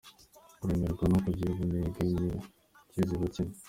Kuremererwa no kugira uburibwe mu kiziba cy’inda .